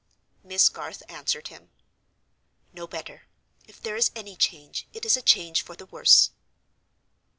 Miss Garth answered him: "No better; if there is any change, it is a change for the worse."